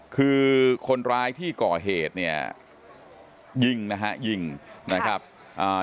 คือคนร้ายที่ก่อเหตุเนี่ยยิงนะฮะยิงนะครับอ่า